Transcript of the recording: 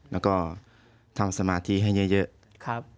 แล้วก็ทำสมาธิให้เยอะครับ